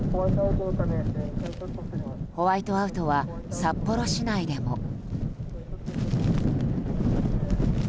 ホワイトアウトは札幌市内でも。